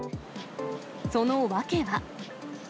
その訳は。